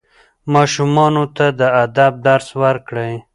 ماشومانو ته د ادب درس ورکړئ.